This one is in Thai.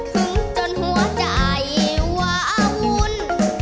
คึ้งจนหัวใจวะอาวุ้น